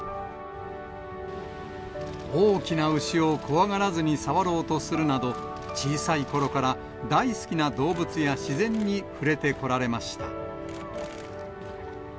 大きな牛を怖がらずに触ろうとするなど、小さいころから大好きな動物や自然に触れてこられました。